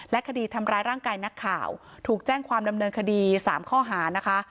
คดีทำร้ายร่างกายนักข่าวถูกแจ้งความดำเนินคดี๓ข้อหานะคะ